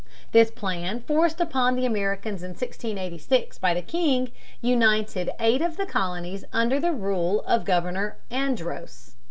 This plan, forced upon the Americans in 1686 by the king, united eight of the colonies under the rule of Governor Andros.